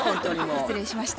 失礼しました。